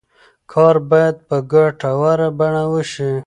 کار باید په ګټوره بڼه وشي.